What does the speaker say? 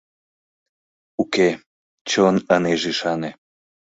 Уке, чон ынеж ӱшане.